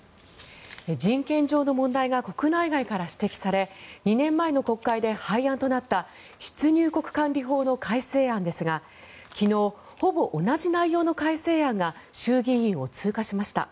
人権上の問題が国内外から指摘され２年前の国会で廃案となった出入国管理法の改正案ですが昨日、ほぼ同じ内容の改正案が衆議院を通過しました。